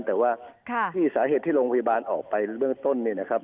แต่ว่าที่สาเหตุที่โรงพยาบาลออกไปเบื้องต้นเนี่ยนะครับ